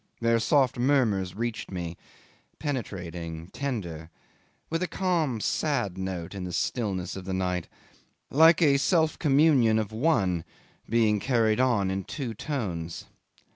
Their soft murmurs reached me, penetrating, tender, with a calm sad note in the stillness of the night, like a self communion of one being carried on in two tones.